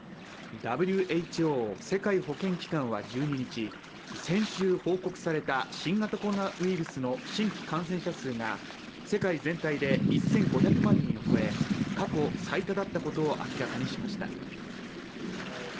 ＷＨＯ＝世界保健機関は１２日、先週、報告された新型コロナウイルスの新規感染者数が世界全体で１５００万人を超え、過去最多だったことを明らかにしました。